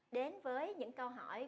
đến với những câu hỏi